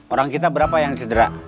orang kita berapa yang cedera